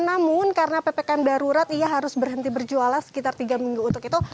namun karena ppkm darurat ia harus berhenti berjualan sekitar tiga minggu untuk itu